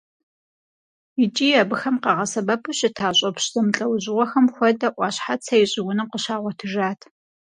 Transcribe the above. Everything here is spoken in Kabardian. ИкӀи абыхэм къагъэсэбэпу щыта щӀопщ зэмылӀэужьыгъуэхэм хуэдэ Ӏуащхьацэ и щӀыунэм къыщагъуэтыжат.